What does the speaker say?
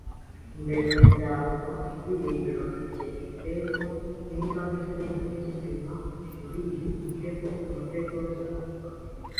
mbere, nzaguha ibyiringiro bike; Ifeza, niba twembi tuzima muriyi mutego-umutego, nzabikora